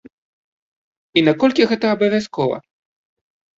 І наколькі гэта абавязкова?